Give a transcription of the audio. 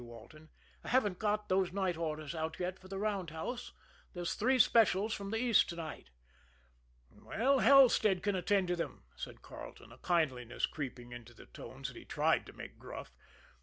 Walton. "I haven't got those night orders out yet for the roundhouse. There's three specials from the East to night." "Well, Halstead can attend to them," said Carleton, a kindliness creeping into the tones that he tried to make gruff.